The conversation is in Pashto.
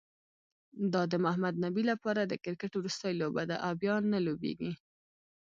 دا د محمد نبي لپاره د کرکټ وروستۍ لوبه ده، او بیا نه لوبیږي